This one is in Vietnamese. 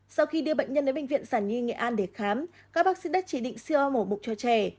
sau khi đưa bệnh nhân đến bệnh viện sản nhi nghệ an để khám các bác sĩ đã chỉ định siêu mổ bục cho trẻ